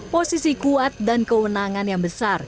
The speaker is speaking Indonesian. posisi kuat dan kewenangan yang besar